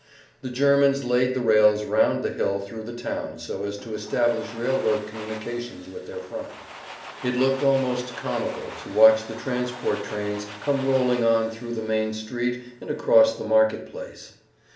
The Germans laid the rails round the hill through the town so as to establish railroad communications with their front. It looked almost comical to watch the transport trains come rolling on through the main street and across the market place.